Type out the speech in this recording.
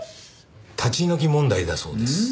立ち退き問題だそうです。